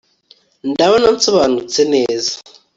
ndabona nsobanutse neza